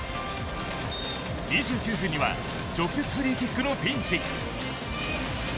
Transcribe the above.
２９分には直接フリーキックのピンチ。